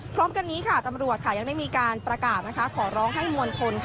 พร้อมกันนี้ค่ะตำรวจยังได้มีการประกาศขอร้องให้มวลชน